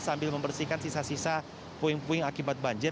sambil membersihkan sisa sisa puing puing akibat banjir